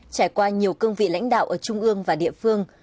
trải qua nhiều cương vị lãnh đạo ở trung ương và địa phương